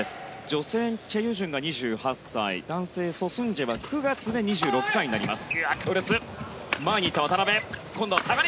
女性チェ・ユジュンが２８歳男性、ソ・スンジェは９月で２６歳になります。